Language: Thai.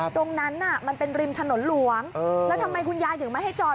ตรงนั้นน่ะมันเป็นริมถนนหลวงแล้วทำไมคุณยายถึงไม่ให้จอด